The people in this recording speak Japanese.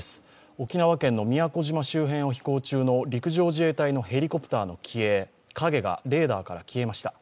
沖縄県の宮古島周辺を飛行中の陸上自衛隊のヘリコプターの機影がレーダーから消えました。